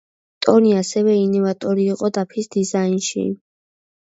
ტონი ასევე ინოვატორი იყო დაფის დიზაინში.